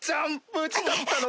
無事だったのか！